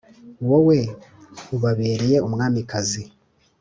wowe ubabereye umwamikazi